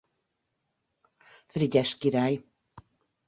Frigyes király.